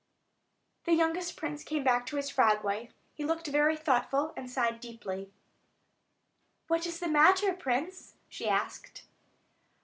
The youngest prince came back to his frog wife; he looked very thoughtful, and sighed deeply. "What is the matter, prince?" she asked.